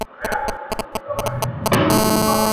ځناور سول په خبر یوه ناره سوه،